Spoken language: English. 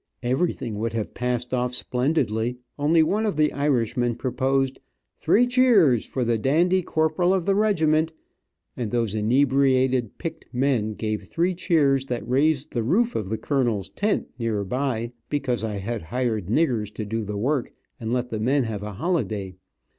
Everything would have passed off splendidly, only one of the Irishmen proposed "three cheers" for the dandy Corporal of the regiment, and those inebriated, picked men, gave three cheers that raised the roof of the colonel's tent near by, because I had hired niggers to do the work, and let the men have a holiday.